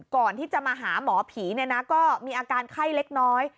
ก่อนที่จะมาหาหมอผีเนี่ยนะก็มีอาการไข้เล็กน้อย